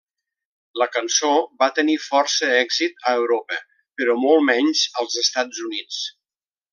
La cançó va tenir força èxit a Europa, però molt menys als Estats Units.